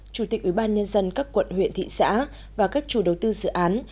chủ tịch ủy ban nhân dân các quận huyện thị xã và các chủ đầu tư dự án